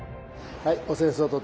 はい。